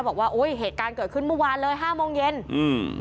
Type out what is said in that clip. บอกว่าโอ้ยเหตุการณ์เกิดขึ้นเมื่อวานเลยห้าโมงเย็นอืม